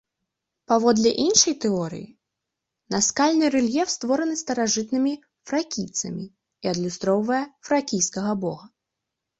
Паводле іншай тэорыі, наскальны рэльеф створаны старажытнымі фракійцамі і адлюстроўвае фракійскага бога.